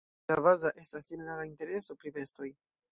La baza estas ĝenerala intereso pri bestoj.